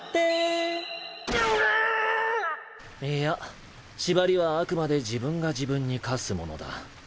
いや縛りはあくまで自分が自分に科すものだ。